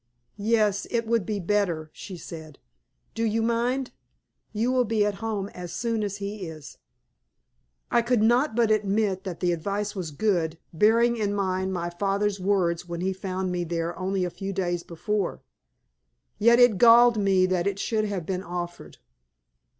"Yes, it would be better," she said. "Do you mind? You will be at home as soon as he is." I could not but admit that the advice was good, bearing in mind my father's words when he found me there only a few days before. Yet it galled me that it should have been offered.